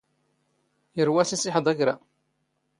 ⵉⵔⵡⴰⵙ ⵉⵙ ⵉⵃⴹⴰ ⴽⵔⴰ.